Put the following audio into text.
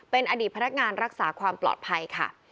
เป็นอดีตพนักงานรักษาความปลอดภัยค่ะ